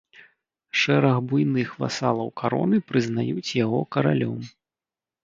Шэраг буйных васалаў кароны прызнаюць яго каралём.